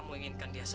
mungkin saat ini